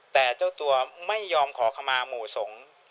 แต่เจ้าตัวไม่ยอมขอขมาหมู่สงฆ์